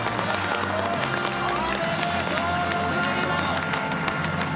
おめでとうございます。